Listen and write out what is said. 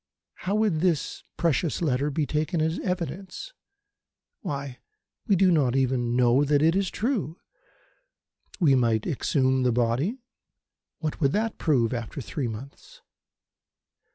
"How would this precious letter be taken as evidence? Why, we do not even know that it is true. We might exhume the body: what would that prove after three months?